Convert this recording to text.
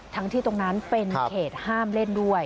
ที่ตรงนั้นเป็นเขตห้ามเล่นด้วย